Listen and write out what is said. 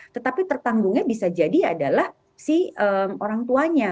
tetapi tertanggungnya bisa jadi adalah si orang tuanya